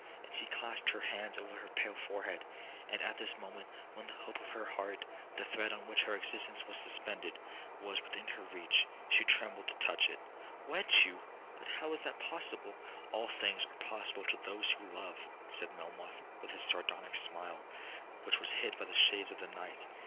and she clasped her hands over her pale forehead;—and at this moment, when the hope of her heart, the thread on which her existence was suspended, was within her reach, she trembled to touch it. 'Wed you!—but how is that possible?'—'All things are possible to those who love,' said Melmoth, with his sardonic smile, which was hid by the shades of the night.